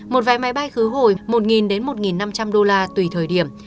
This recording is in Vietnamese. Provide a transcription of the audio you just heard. một vé máy bay khứ hồi một đến một năm trăm linh đô la tùy thời điểm